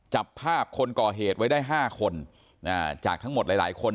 จับภาพคนก่อเหตุไว้ได้๕คนจากทั้งหมดหลายหลายคน